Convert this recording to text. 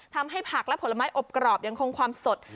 ทำให้ผักและผลไม้อบกรอบยังคงความสด